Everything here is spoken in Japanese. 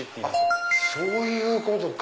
そういうことか。